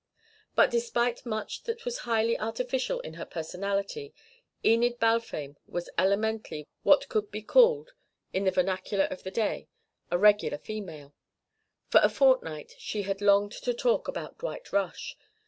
But despite much that was highly artificial in her personality, Enid Balfame was elementally what would be called, in the vernacular of the day, a regular female; for a fortnight she had longed to talk about Dwight Rush.